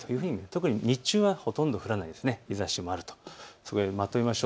特に日中はほとんど降らない、日ざしがあるということです。